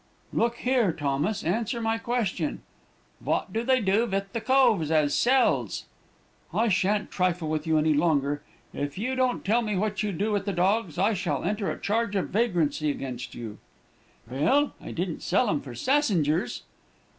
"'Look here, Thomas, answer my question.' "'Vot do they do vith the coves as sells?' "'I shan't trifle with you any longer. If you don't tell me what you do with the dogs, I shall enter a charge of vagrancy against you.' "'Vell, I didn't sell 'em for sassengers.'